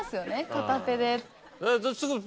片手で。